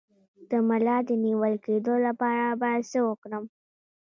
د ملا د نیول کیدو لپاره باید څه وکړم؟